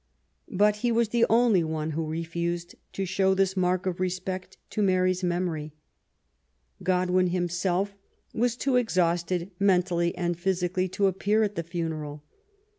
But he was the only one who re fused to show this mark of respect to Mary^s memory. Godwin himself was too exhausted mentally and physi cally to appear at the funeral.